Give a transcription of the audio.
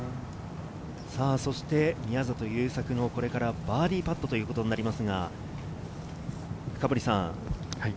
宮里優作のこれからバーディーパットということになります。